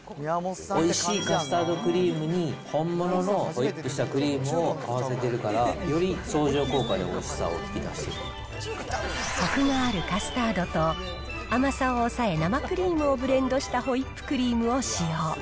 おいしいカスタードクリームに、本物のホイップしたクリームを合わせてるから、より相乗効果でおこくがあるカスタードと、甘さを抑え、生クリームをブレンドしたホイップクリームを使用。